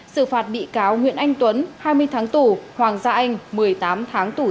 xử phạt bị cáo nguyễn anh tuấn hai mươi tháng tù hoàng gia anh một mươi tám tháng tù